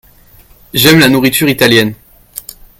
J'aime la nourriture italienne.